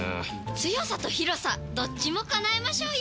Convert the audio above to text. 強さと広さどっちも叶えましょうよ！